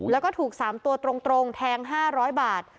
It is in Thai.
แล้วก็ถูก๓ตัวตรงแทง๕๐๐บาท